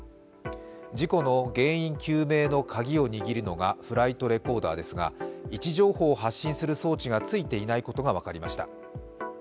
事故の原因究明のカギを握るのがフライトレコーダーですが位置情報を発信する装置がついていないことが分かりました。